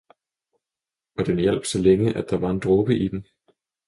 og den hjalp så længe der var en dråbe i den.